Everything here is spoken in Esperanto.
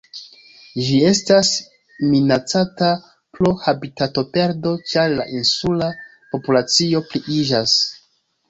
Ĝi estas minacata pro habitatoperdo ĉar la insula populacio pliiĝas.